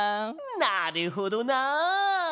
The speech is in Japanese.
なるほどなあ。